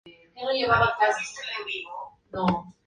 Así como la elaboración de productos lácteos como yogurt y quesos.